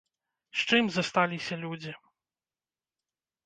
З чым засталіся людзі?